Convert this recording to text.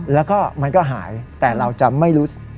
แล้วก็มันก็หายแต่เราจะไม่รู้สึก